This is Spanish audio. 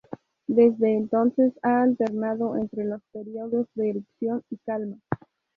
Desde entonces ha alternado entre los períodos de erupción y calma.